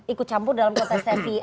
ikut campur dalam kontestasi